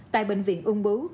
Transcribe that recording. tại bệnh viện úng bú